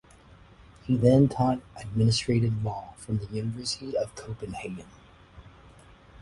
He then taught administrative law from the University of Copenhagen.